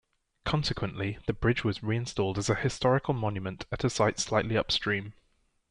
Consequently, the bridge was reinstalled as a historical monument at a site slightly upstream.